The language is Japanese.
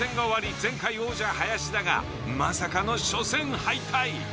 前回王者林田がまさかの初戦敗退。